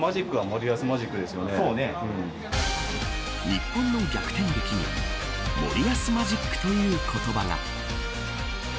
日本の逆転劇に森保マジックという言葉が。